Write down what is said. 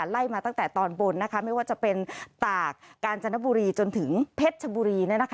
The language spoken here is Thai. ไล่มาตั้งแต่ตอนบนไม่ว่าจะเป็นตากกาญจนบุรีจนถึงเพชรชบุรี